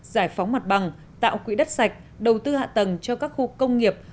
giải phóng mặt bằng tạo quỹ đất sạch đầu tư hạ tầng cho các khu công nghiệp